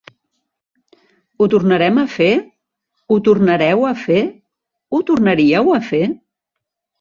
Ho tornarem a fer? Ho tornareu a fer? Ho tornaríeu a fer?